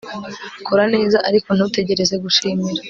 kora neza, ariko ntutegereze gushimira